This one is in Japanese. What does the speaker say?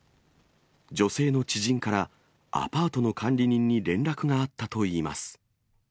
女性の知人からアパートの管理人に連絡があったといいます。